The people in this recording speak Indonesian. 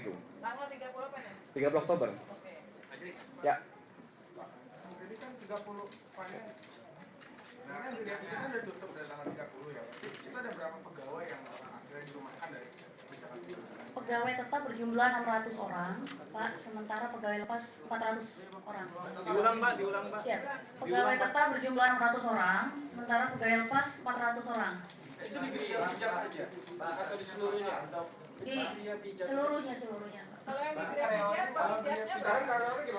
juga tidak bisa apa namanya tidak bisa batasi begitu